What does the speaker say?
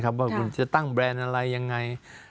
ว่าคุณจะตั้งแบรนด์อะไรยังไง